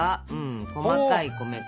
細かい米粉。